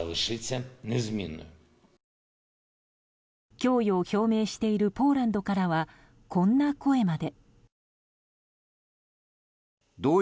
供与を表明しているポーランドからはこんな声まで。